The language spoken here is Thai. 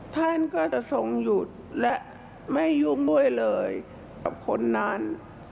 ท่านก็จะทรงหยุดและไม่ยุ่งด้วยเลยกับคนนั้น